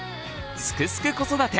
「すくすく子育て」